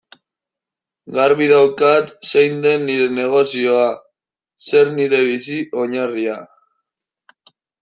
Garbi daukat zein den nire negozioa, zer nire bizi-oinarria.